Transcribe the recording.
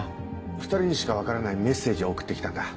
２人にしか分からないメッセージを送って来たんだ。